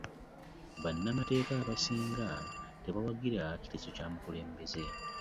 Banamateeka abasing tebawagira kiteeso kya mukulembeze.